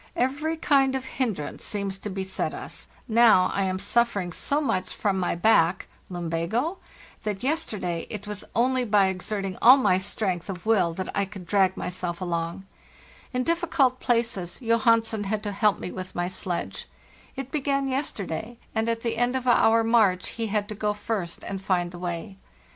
* Every kind of hinderance seems to beset us: now I am suffering so much from my back (lumbago ?) that yesterday it was only by exerting all my strength of will that I could drag myself along. In difficult places * In reality we were probably farther from it than before. LAND AT LAST 323 Johansen had to help me with my sledge. It began yesterday, and at the end of our march he had to go first and find the way.